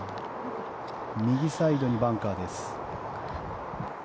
右サイドにバンカーです。